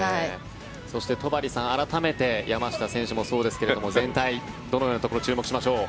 そして戸張さん、改めて山下選手もそうですが全体、どのようなところ注目しましょう。